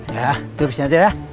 ya terusin aja ya